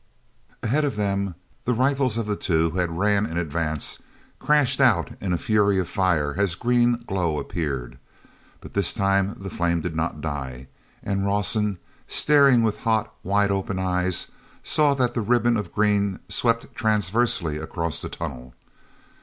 head of them the rifles of the two who ran in advance crashed out in a fury of fire as a green glow appeared. But this time the flame did not die; and Rawson, staring with hot, wide opened eyes, saw that the ribbon of green swept transversely across the tunnel.